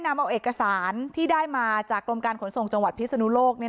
นำเอาเอกสารที่ได้มาจากกรมการขนส่งจังหวัดพิศนุโลก